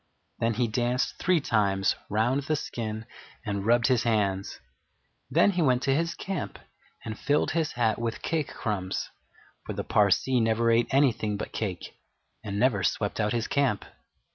Then he danced three times round the skin and rubbed his hands. Then he went to his camp and filled his hat with cake crumbs, for the Parsee never ate anything but cake, and never swept out his camp.